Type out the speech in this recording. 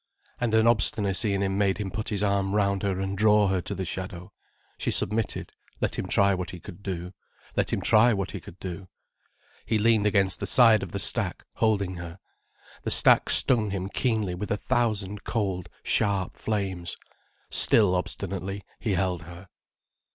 And an obstinacy in him made him put his arm round her and draw her to the shadow. She submitted: let him try what he could do. Let him try what he could do. He leaned against the side of the stack, holding her. The stack stung him keenly with a thousand cold, sharp flames. Still obstinately he held her.